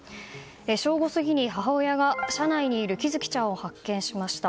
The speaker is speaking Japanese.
正午過ぎに母親が車内にいる喜寿生ちゃんを発見しました。